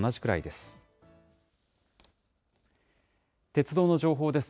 鉄道の情報です。